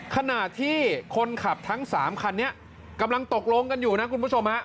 ขณะที่คนขับทั้ง๓คันนี้กำลังตกลงกันอยู่นะคุณผู้ชมฮะ